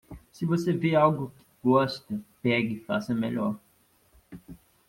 Se você vê algo que gosta, pegue e faça melhor.